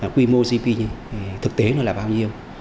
quy mô gdp thực tế nó là bao nhiêu